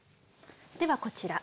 ではこちら。